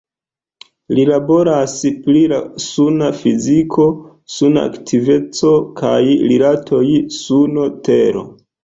Li laboras pri la suna fiziko, suna aktiveco kaj rilatoj Suno-tero.